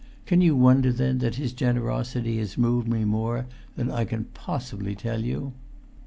Can you wonder, then, that his generosity has moved me more than I can possibly tell you?"